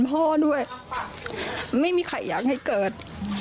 พ่อด้วยไม่มีใครอยากให้เกิด